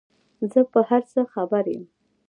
زه په هر څه خبر یم ،